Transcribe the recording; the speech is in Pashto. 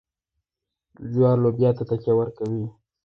جوار لوبیا ته تکیه ورکوي.